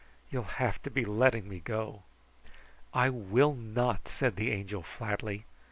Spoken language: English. You'll have to be letting me go!" "I will not," said the Angel flatly.